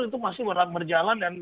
itu masih berjalan dan